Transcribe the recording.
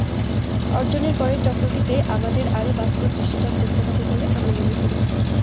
অর্জনের পরের চক্রটিতে আমাদের আরও বাস্তব দৃষ্টিপাত করতে হবে বলে আমি মনে করি।